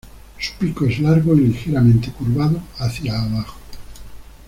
Su pico es largo y ligeramente curvado hacia abajo.